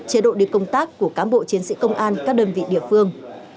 chế độ đi công tác của cán bộ chiến sĩ công an các đơn vị địa phương